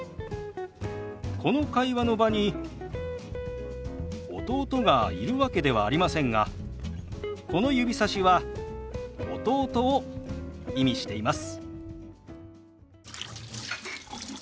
この会話の場に弟がいるわけではありませんがこの指さしは弟を意味しています。